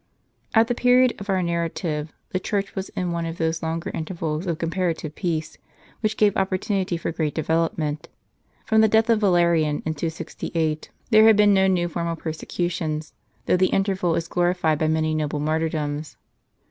At the period of our narrative, the Church was in one of those longer intervals of comparative peace, w^hich gave opportunity for great development. From the death of Vale rian, in 268, there had been no new formal persecution, though the interval is glorified by many noble martyrdoms.